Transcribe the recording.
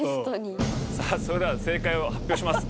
さあそれでは正解を発表します。